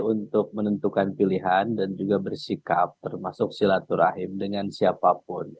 untuk menentukan pilihan dan juga bersikap termasuk silaturahim dengan siapapun